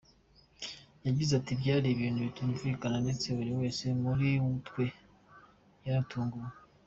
Yagize ati “Byari ibintu bitumvikana ndetse buri wese muri twe yaratunguwe.